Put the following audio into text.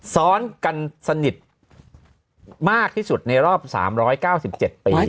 ซ้อนกันสนิทมากที่สุดในรอบ๓๙๗ปี